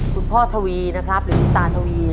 คุณพ่อทวีนะครับหรืออุตาทวี